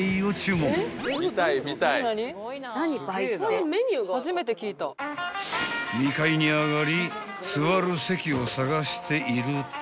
［２階に上がり座る席を探していると］